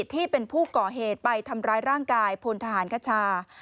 ที่เป็นผู้ก่อเหตุไปทำร้ายร่างกายพลทหารคชา